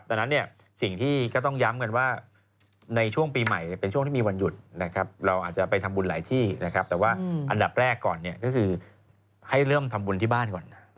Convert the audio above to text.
ดังนั้นเนี่ยสิ่งที่ก็ต้องย้ำกันว่าในช่วงปีใหม่เป็นช่วงที่มีวันหยุดนะครับเราอาจจะไปทำบุญหลายที่นะครับแต่ว่าอันดับแรกก่อนเนี่ยก็คือให้เริ่มทำบุญที่บ้านก่อน